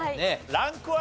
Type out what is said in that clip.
ランクは？